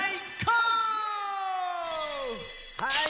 はい。